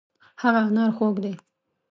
هغه انار خوږ دی.